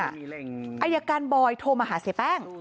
อายการบอยโทรมาหาเสียแป้ง